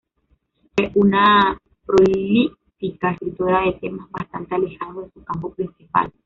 Fue una prolífica escritora de temas bastante alejados de su campo principal.